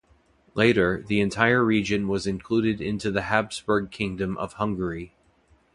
Later, the entire region was included into the Habsburg Kingdom of Hungary.